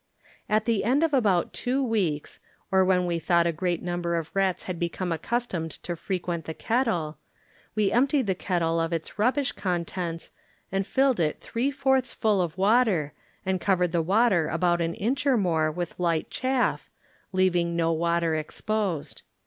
At the end of about two weeks, or when we thought a great number of rats had become accustomed to frequent the kettle, we emptied the kettle of its rubbish contents and filled it three fourths full of water and covered the water about an inch or more with light chaff, leaving no water exposed.